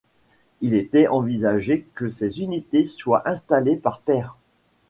Il était envisagé que ces unités soient installées par paires.